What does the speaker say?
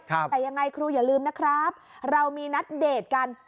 แต่ยังไงครูอย่าลืมนะครับเรามีนัดเดทกัน